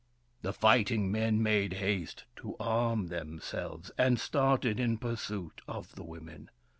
The fighting men made haste to arm themselves, and started in pursuit of the women.